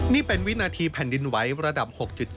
นี่เป็นวินาทีแผ่นดินไหวระดับ๖๗